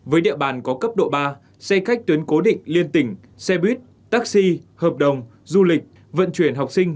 với địa bàn có cấp độ ba xe khách tuyến cố định liên tỉnh xe buýt taxi hợp đồng du lịch vận chuyển học sinh